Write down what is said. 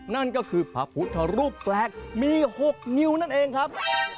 นั่นก็คือพระพุทธรูปแปลกมี๖นิ้วนั่นเองครับ